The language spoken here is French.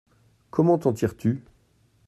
Comment t’en tires-tu ?